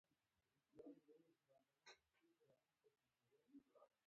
په افغانستان کې د کوچنیو سرمایو لپاره فارمنګ بهترین پرست دی.